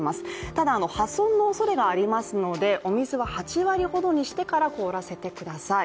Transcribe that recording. ただ、破損のおそれがありますのでお水は８割ほどにしてから凍らせてください。